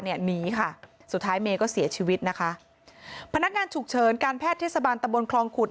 หนีค่ะสุดท้ายเมย์ก็เสียชีวิตนะคะพนักงานฉุกเฉินการแพทย์เทศบาลตะบนคลองขุด